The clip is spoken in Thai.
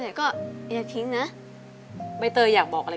นี้เป็นรายการทั่วไปสามารถรับชมได้ทุกวัย